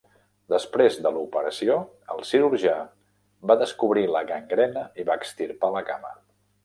Després de l'operació, el cirurgià va descobrir la gangrena i va extirpar la cama.